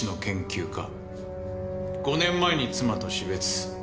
５年前に妻と死別。